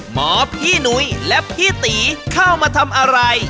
หมอพี่หนุ้ยและพี่ตีเข้ามาทำอะไร